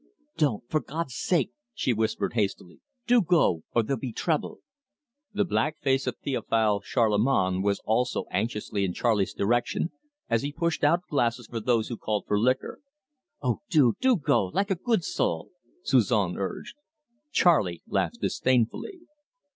"Don't for God's sake!" she whispered hastily. "Do go or there'll be trouble!" The black face of Theophile Charlemagne was also turned anxiously in Charley's direction as he pushed out glasses for those who called for liquor. "Oh, do, do go like a good soul!" Suzon urged. Charley laughed disdainfully.